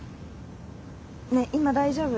ねっ今大丈夫？